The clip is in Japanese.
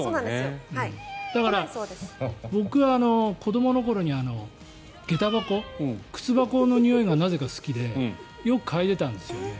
だから、僕は子どもの頃に下駄箱、靴箱のにおいがなぜか好きでよく嗅いでたんですよ。